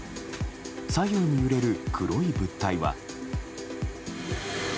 左右に揺れる黒い物体は。